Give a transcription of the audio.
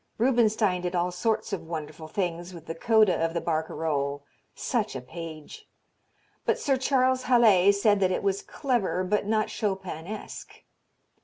Rubinstein did all sorts of wonderful things with the coda of the Barcarolle such a page! but Sir Charles Halle said that it was "clever but not Chopinesque."